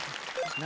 何？